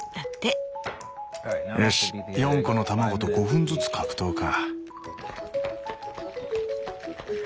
よし４個の卵と５分ずつ格闘か。